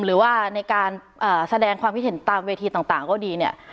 หรือว่าในการแสดงความคิดเห็นตามเวทีต่างก็ดีเนี่ย